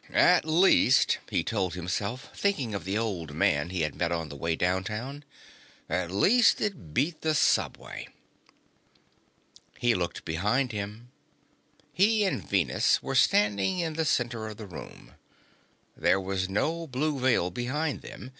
At least, he told himself, thinking of the old man he had met on the way downtown, at least it beat the subway. He looked behind him. He and Venus were standing in the center of the room. There was no blue veil behind them.